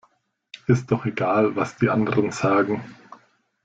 Ist doch egal, was die anderen sagen.